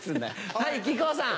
はい木久扇さん。